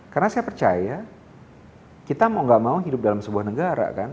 karena saya percaya kita gak mau hidup dalam sebuah negara kan